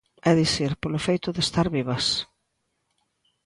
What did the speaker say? É dicir, polo feito de estar vivas.